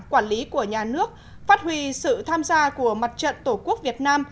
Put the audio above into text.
quản lý của nhà nước phát huy sự tham gia của mặt trận tổ quốc việt nam